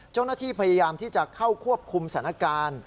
เจ้าหน้าที่พยายามที่จะเข้าควบคุมสถานการณ์